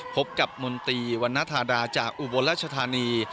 พบกับมนตรีวันนธาดาจากอุบลรัชธานี